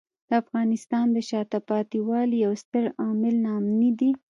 د افغانستان د شاته پاتې والي یو ستر عامل ناامني دی.